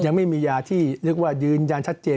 ยังไม่มียาที่เรียกว่ายืนยันชัดเจน